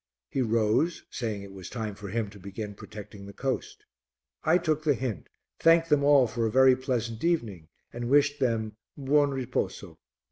He rose, saying it was time for him to begin protecting the coast. I took the hint, thanked them all for a very pleasant evening and wished them "Buon riposo."